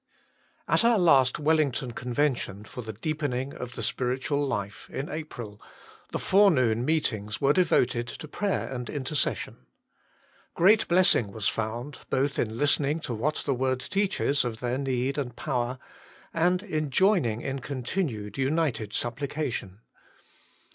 A T our last Wellington Convention for the Deepening of the Spiritual Life, in April, the forenoon meetings were devoted to prayer and intercession. Great blessing was found, both in listening to what the Word teaches of their need and power, and in joining in continued united supplication.